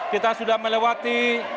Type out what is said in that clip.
kita sudah melewati